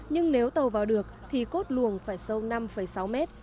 nhưng nếu tàu vào được thì cốt luồng phải sâu năm phút